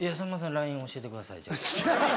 ＬＩＮＥ教えてくださいじゃあ。